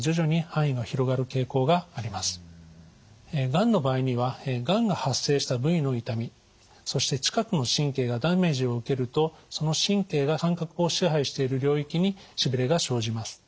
がんの場合にはがんが発生した部位の痛みそして近くの神経がダメージを受けるとその神経が感覚を支配している領域にしびれが生じます。